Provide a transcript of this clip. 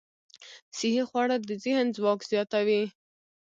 صحي خواړه د ذهن ځواک زیاتوي.